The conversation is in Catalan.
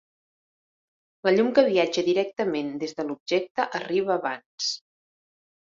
La llum que viatja directament des de l'objecte arriba abans.